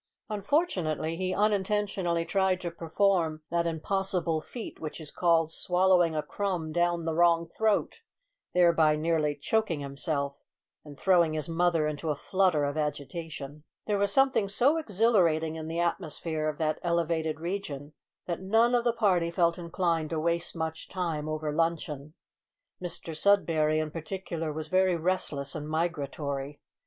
Unfortunately he unintentionally tried to perform that impossible feat, which is called swallowing a crumb down the wrong throat, thereby nearly choking himself; and throwing his mother into a flutter of agitation. There was something so exhilarating in the atmosphere of that elevated region that none of the party felt inclined to waste much time over luncheon. Mr Sudberry, in particular, was very restless and migratory.